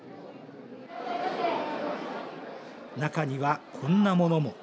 中にはこんなものも。